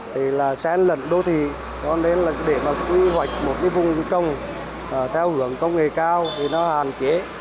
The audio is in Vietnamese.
thì là xe lận đô thị cho nên để quy hoạch một vùng công theo hưởng công nghệ cao thì nó hàn kế